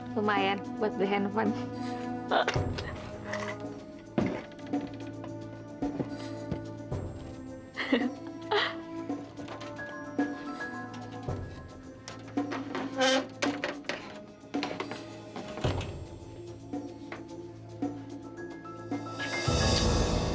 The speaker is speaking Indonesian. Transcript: lumayan buat haideochpah